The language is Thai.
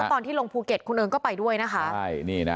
แล้วตอนที่ลงภูเก็ตคุณเอิ้งก็ไปด้วยนะคะใช่นี่น่ะ